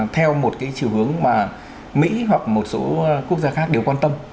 theo một cái chiều hướng mà mỹ hoặc một số quốc gia khác đều quan tâm